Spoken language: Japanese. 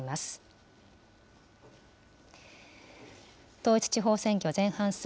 統一地方選挙、前半戦。